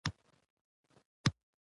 هوا د افغانستان د سیلګرۍ برخه ده.